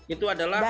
itu adalah subsidi